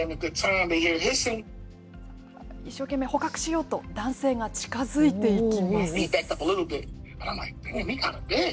一生懸命捕獲しようと、男性が近づいていきます。